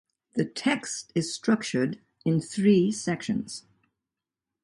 The text is structured in three sections.